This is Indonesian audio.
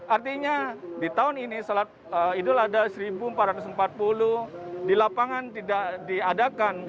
artinya di tahun ini salat idul adha seribu empat ratus empat puluh di lapangan diadakan seperti ini